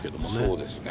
そうですね。